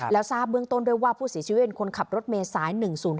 แล้วทราบเบื้องต้นด้วยว่าผู้เสียชีวิตเป็นคนขับรถเมษาย๑๐๔